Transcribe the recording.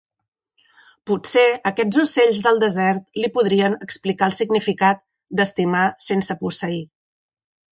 Potser aquests ocells del desert li podien explicar el significat d'estimar sense posseir.